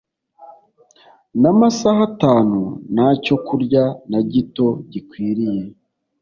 namasaha atanu Nta cyokurya na gito gikwiriye